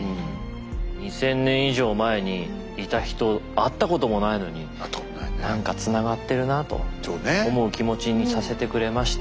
２，０００年以上前にいた人会ったこともないのに何かつながってるなと思う気持ちにさせてくれました。